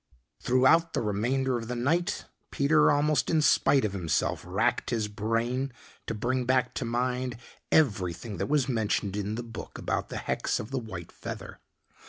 Throughout the remainder of the night Peter, almost in spite of himself, wracked his brain to bring back to mind everything that was mentioned in the book about the hex of the white feather.